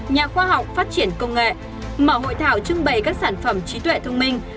nhà khoa học phát triển công nghệ mở hội thảo trưng bày các sản phẩm trí tuệ thông minh